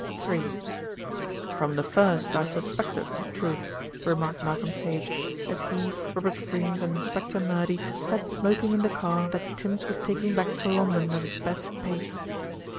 III "From the first I suspected the truth," remarked Malcolm Sage, as he, Robert Freynes and Inspector Murdy sat smoking in the car that Tims was taking back to London at its best pace.